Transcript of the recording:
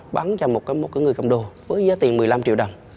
bắn cho một người cầm đồ với giá tiền một mươi năm triệu đồng